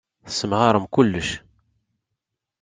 Tessemɣarem kullec.